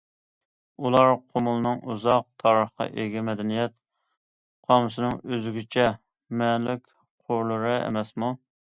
ئۇلار قۇمۇلنىڭ ئۇزاق تارىخقا ئىگە مەدەنىيەت قامۇسىنىڭ ئۆزگىچە مەنىلىك قۇرلىرى ئەمەسمۇ!